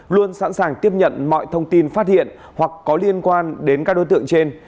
luôn sẵn sàng tiếp nhận mọi thông tin phát hiện hoặc có liên quan đến các đối tượng trên